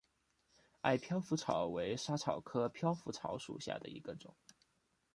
矮飘拂草为莎草科飘拂草属下的一个种。